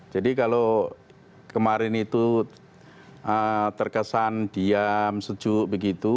jadi kalau kemarin itu terkesan diam sejuk begitu